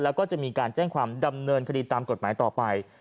แล้วก็จะมีการแจ้งความดำเนินคดีตามกฎหมายต่อไป